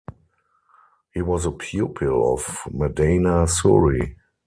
He was a pupil of Madana Suri.